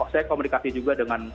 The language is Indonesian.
saya komunikasi juga